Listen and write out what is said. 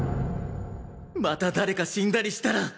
また誰か死んだりしたら。